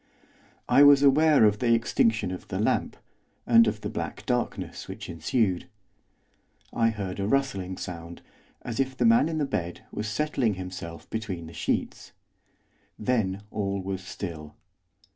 I was aware of the extinction of the lamp, and of the black darkness which ensued. I heard a rustling sound, as if the man in the bed was settling himself between the sheets. Then all was still.